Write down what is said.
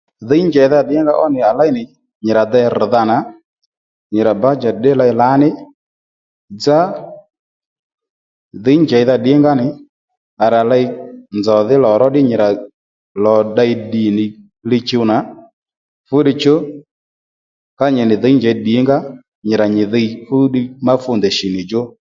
Dhǐy njèydha ddìngaó nì rà ley nyì rà dey rr̀dha nà nyì rà bǎdjèt ddí ley lǎní dzá dhǐy njèydha ddìnga nì rà ley nzòw dhí lò ró ddí nyì rà lò ddey ddì nì li-chuw nà fúddiy chú ká nyì nì dhǐ njěy ddǐngǎ nyì rà nyì dhiy fú ddiy má ndèy shì nì djú